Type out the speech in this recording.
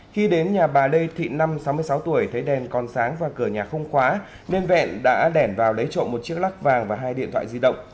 khi đến nhà bà lê thị năm sáu mươi sáu tuổi thấy đèn con sáng và cửa nhà không khóa nên vẹn đã đẻn vào lấy trộm một chiếc lắc vàng và hai điện thoại di động